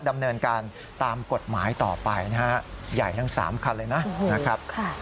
ดำเนินการตามกฎหมายต่อไปนะฮะใหญ่ทั้ง๓คันเลยนะครับ